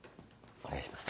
お願いします。